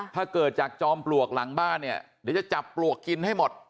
ถ้าเกิดจากจอมปลวกหลังบ้านจะจับปลวกกินให้หมด